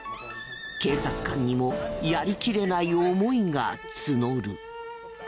警察官にもやりきれない思いが募る。